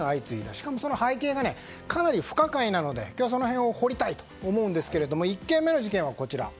しかも、その背景がかなり不可解なので今日はその辺を掘りたいんですが１件目の事件は、こちら。